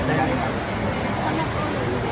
คนใจถึงบอกว่า